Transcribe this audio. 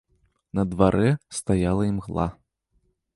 На дварэ стаяла імгла.